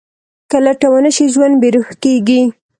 که لټه ونه شي، ژوند بېروح کېږي.